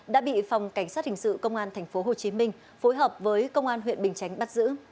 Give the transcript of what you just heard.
đã bị phòng cảnh sát hình sự công an tp hồ chí minh phối hợp với công an huyện bình chánh bắt giữ